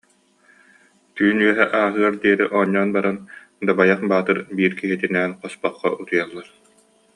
Түүн үөһэ ааһыар диэри оонньоон баран Дабайах Баатыр биир киһитинээн хоспоххо утуйаллар